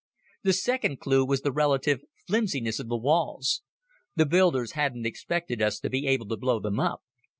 "The second clue was the relative flimsiness of the walls. The builders hadn't expected us to be able to blow them up.